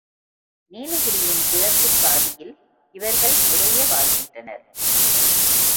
நீலகிரியின் கிழக்குப்பாதியில் இவர்கள் நிறைய வாழ்கின்றனர்.